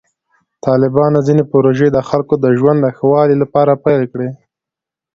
طالبانو ځینې پروژې د خلکو د ژوند د ښه والي لپاره پیل کړې.